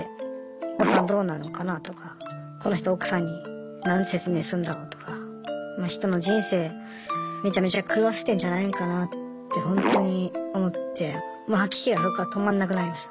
お子さんどうなのかなあとかこの人奥さんに何て説明するんだろうとか人の人生めちゃめちゃ狂わせてんじゃないんかなってほんとに思ってもう吐き気がそこから止まんなくなりました。